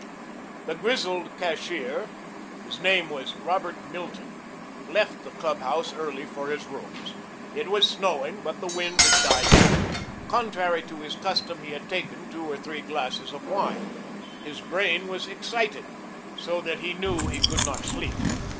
The grizzled cashier his name was Robert Milton left the clubhouse early for his rooms. It was snowing, but the wind had died down. Contrary to his custom, he had taken two or three glasses of wine. His brain was excited so that he knew he could not sleep.